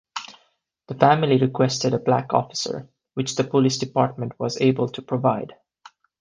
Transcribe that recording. The family requested a black officer, which the police department was able to provide.